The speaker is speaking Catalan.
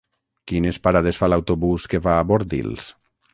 Quines parades fa l'autobús que va a Bordils?